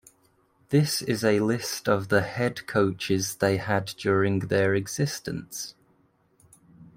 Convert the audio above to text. This is a list of the head coaches they had during their existence.